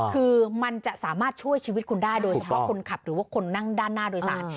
คือมันจะสามารถช่วยชีวิตคุณได้โดยเฉพาะคนขับหรือว่าคนนั่งด้านหน้าโดยสาร